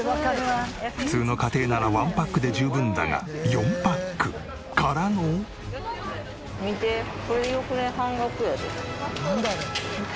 普通の家庭ならワンパックで十分だが４パックからの。半額。